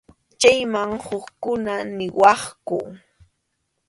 Chayman hukkuna niwaqku.